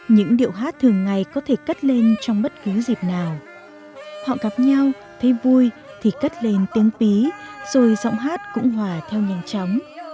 những điệu hát thường ngày có thể cất lên trong bất cứ dịp nào họ gặp nhau thấy vui thì cất lên tiếng pí rồi giọng hát cũng hòa theo nhanh chóng